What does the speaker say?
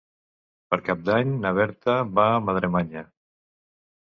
Per Cap d'Any na Berta va a Madremanya.